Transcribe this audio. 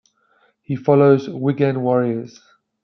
He follows Wigan Warriors.